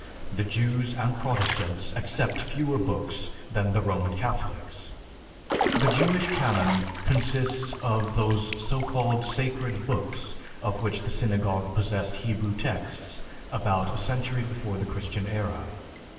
The Jews and Protestants accept fewer books than the Roman Catholics. The Jewish Canon consists of those so called sacred books of which the Synagogue possessed Hebrew texts about a century before the Christian era.